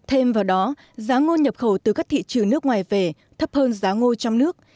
thêm vào đó giá ngô nhập khẩu từ các thị trường nước ngoài về thấp hơn giá ngô trong nước